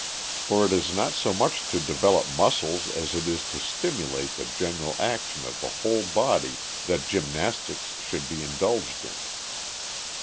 For it is not so much to develop muscles as it is to stimulate the general action of the whole body that gymnastics should be indulged in.